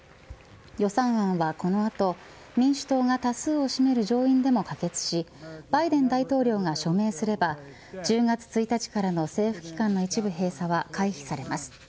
予算案はこの後民主党が多数を占める上院でも可決しバイデン大統領が署名すれば１０月１日からの政府機関の一部閉鎖は回避されます。